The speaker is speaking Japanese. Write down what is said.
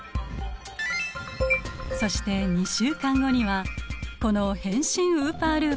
そして２週間後にはこの変身ウーパールーパー